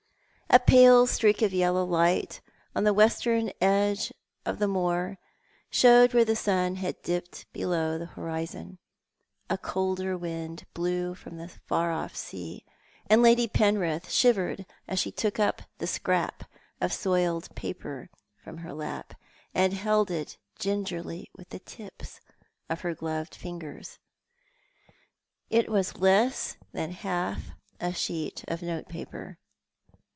A pale streak of yellow light on the western edge of the moor showed where the sun had dipped below the horizon. A colder wind blew from the far off sea, and Lady Penrith shivered as she took up the scrap of soiled paper from her lap, and held it gingerly with the tijis of her gloved fingers. It was less than half a sheet of notepaper.